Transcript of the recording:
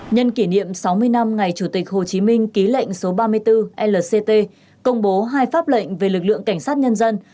nhân kỷ niệm sáu mươi năm ngày chủ tịch hồ chí minh ký lệnh số ba mươi bốn lct công bố hai pháp lệnh về lực lượng cảnh sát nhân dân